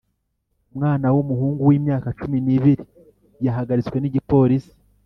Umwana w'umuhungu w'imyaka cumi n’ibiri yahagaritswe n'igipolisi